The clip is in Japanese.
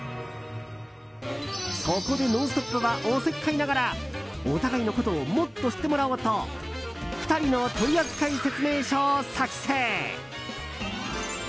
そこで「ノンストップ！」はおせっかいながらお互いのことをもっと知ってもらおうと２人の取扱説明書を作成。